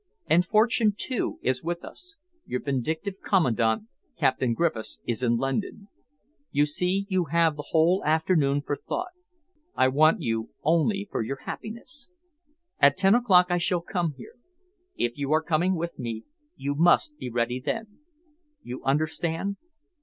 And fortune, too, is with us your vindictive commandant, Captain Griffiths, is in London. You see, you have the whole afternoon for thought. I want you only for your happiness. At ten o'clock I shall come here. If you are coming with me, you must be ready then. You understand?"